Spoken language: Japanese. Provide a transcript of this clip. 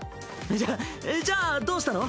じゃじゃあどうしたの？